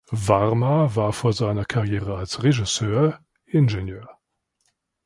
Varma war vor seiner Karriere als Regisseur Ingenieur.